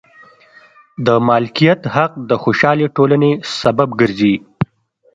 د مالکیت حق د خوشحالې ټولنې سبب ګرځي.